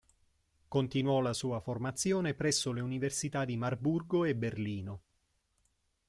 Continuò la sua formazione presso le Università di Marburgo e Berlino.